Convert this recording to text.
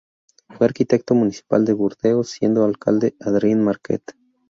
Fue arquitecto municipal de Burdeos, siendo alcalde Adrien Marquet.